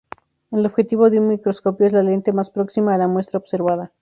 El objetivo de un microscopio es la lente más próxima a la muestra observada.